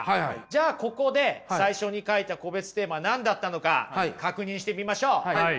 じゃあここで最初に書いた個別テーマ何だったのか確認してみましょう。